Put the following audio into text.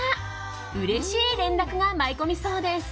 うれしい連絡が舞い込みそうです。